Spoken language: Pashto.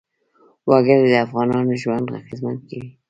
وګړي د افغانانو ژوند اغېزمن کوي.